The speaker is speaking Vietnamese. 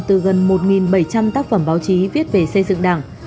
từ gần một bảy trăm linh tác phẩm báo chí viết về xây dựng đảng